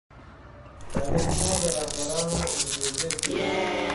تاريخ پوه د رهبرانو انګېزې پېژني.